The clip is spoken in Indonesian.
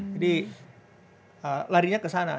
jadi larinya ke sana